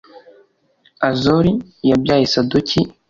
Azori yabyaye Sadoki,